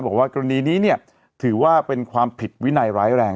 บอกว่ากรณีนี้เนี่ยถือว่าเป็นความผิดวินัยร้ายแรง